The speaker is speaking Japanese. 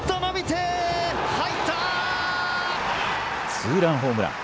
ツーランホームラン。